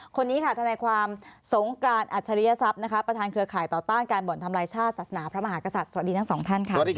คนนี้ค่ะทนายความสงกรานอัจฉริยศัพย์นะคะประธานเครือข่ายต่อต้านการบ่อนทำลายชาติศาสนาพระมหากษัตริย์สวัสดีทั้งสองท่านค่ะ